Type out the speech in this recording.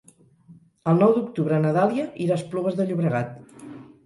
El nou d'octubre na Dàlia irà a Esplugues de Llobregat.